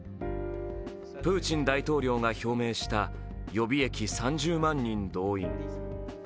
プーチン大統領が表明した予備役３０万人動員。